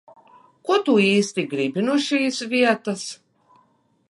Ko tu īsti gribi no šīs vietas?